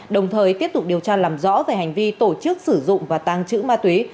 đồng thời tiếp tục điều tra làm rõ về hành vi tổ chức sử dụng và tàng trữ ma túy